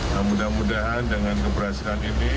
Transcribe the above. nah mudah mudahan dengan keberhasilan ini